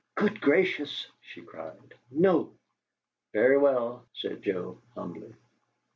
"Good gracious!" she cried. "NO!" "Very well," said Joe, humbly.